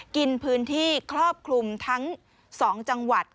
กินพื้นที่ครอบคลุมทั้ง๒จังหวัด